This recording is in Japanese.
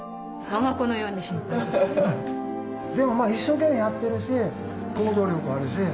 でもまあ一生懸命やってるし行動力あるし。